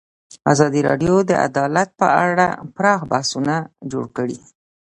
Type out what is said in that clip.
ازادي راډیو د عدالت په اړه پراخ بحثونه جوړ کړي.